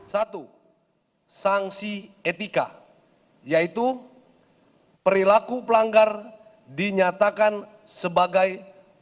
satu sanksi etika yaitu perilaku pelanggar dinyatakan sebagai